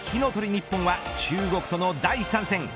日本は中国との第３戦。